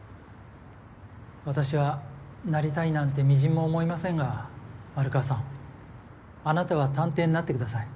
私はなりたいなんてみじんも思いませんが丸川さんあなたは探偵になってください。